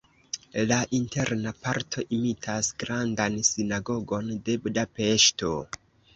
La interna parto imitas Grandan Sinagogon de Budapeŝto.